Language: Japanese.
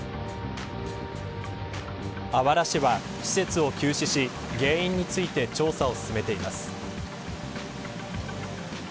あわら市は施設を休止し原因について調査を進めています。